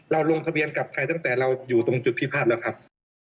ลงทะเบียนกับใครตั้งแต่เราอยู่ตรงจุดพิภาพแล้วครับ